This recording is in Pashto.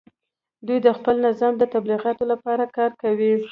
دوی د خپل نظام د تبلیغاتو لپاره کار کوي